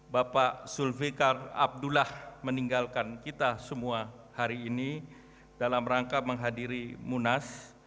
bapak zulfikar abdullah meninggalkan kita semua hari ini dalam rangka menghadiri munas